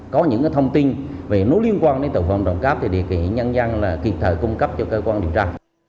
có những thông tin liên quan đến tội phạm tổng cấp thì đề nghị nhân dân kịp thời cung cấp cho cơ quan điều tra